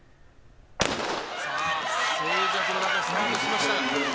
静寂の中スタートしました。